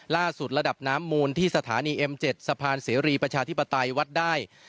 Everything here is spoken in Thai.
ระดับน้ำมูลที่สถานีเอ็ม๗สะพานเสรีประชาธิปไตยวัดได้